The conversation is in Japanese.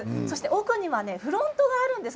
奥にはフロントがあります。